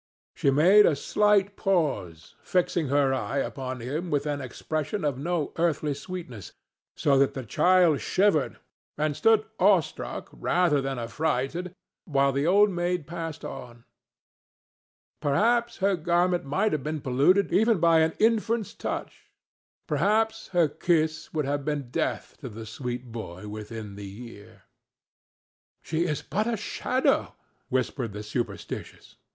She made a slight pause, fixing her eye upon him with an expression of no earthly sweetness, so that the child shivered and stood awestruck rather than affrighted while the Old Maid passed on. Perhaps her garment might have been polluted even by an infant's touch; perhaps her kiss would have been death to the sweet boy within the year. "She is but a shadow," whispered the superstitious.